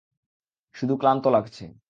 শুধু ক্লান্ত লাগছে।